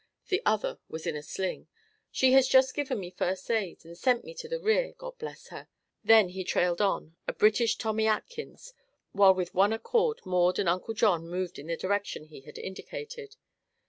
The other was in a sling. "She has just given me first aid and sent me to the rear God bless her!" Then he trailed on, a British Tommy Atkins, while with one accord Maud and Uncle John moved in the direction he had indicated.